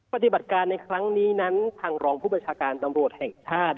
ปฏิบัติการในครั้งนี้นั้นทางรองผู้ประชาการตำรวจแห่งชาติ